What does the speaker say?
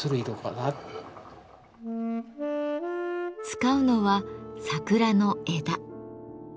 使うのは桜の枝。